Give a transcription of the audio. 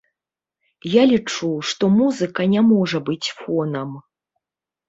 Я лічу, што музыка не можа быць фонам.